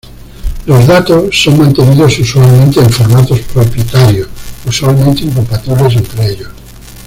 Los datos son mantenidos usualmente en formatos propietarios, usualmente incompatibles entre ellos.